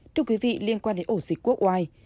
trong quý vị liên quan đến ổ dịch quốc ngoài